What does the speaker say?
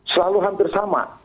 selalu hampir sama